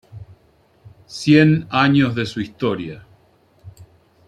Cien años de su historia.